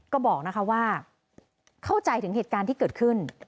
ก็บอกนะคะว่าเข้าใจถึงเหตุการณ์ที่เกิดขึ้น